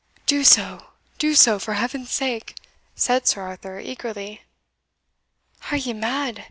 "Do so, do so, for Heaven's sake!" said Sir Arthur eagerly. "Are ye mad?"